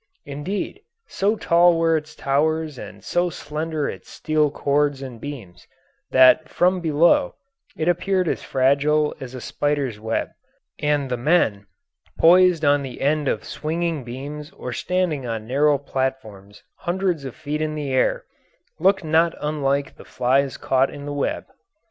Indeed, so tall were its towers and so slender its steel cords and beams that from below it appeared as fragile as a spider's web, and the men, poised on the end of swinging beams or standing on narrow platforms hundreds of feet in air, looked not unlike the flies caught in the web.